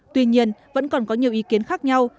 tuy nhiên vẫn còn có nhiều ý kiến khác nhau